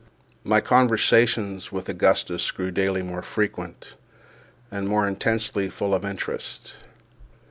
My conversations with Augustus grew daily more frequent and more intensely full of interest.